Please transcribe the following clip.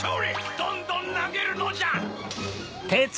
どんどんなげるのじゃ！